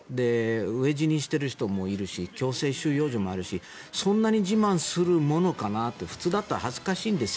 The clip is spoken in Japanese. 飢え死にしている人もいるし強制収容所もあるしそんなに自慢するものかなって普通だったら恥ずかしいんですよ。